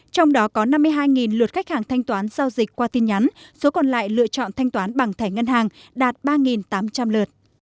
trong đó có năm mươi hai lượt khách hàng thanh toán giao dịch qua tin nhắn số còn lại lựa chọn thanh toán bằng thẻ ngân hàng đạt ba tám trăm linh lượt